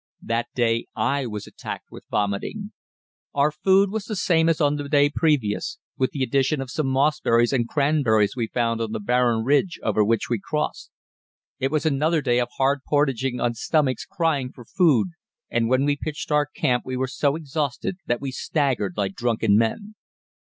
That day I was attacked with vomiting. Our food was the same as on the day previous, with the addition of some mossberries and cranberries we found on the barren ridge over which we crossed. It was another day of hard portaging on stomachs crying for food, and when we pitched our camp we were so exhausted that we staggered like drunken men.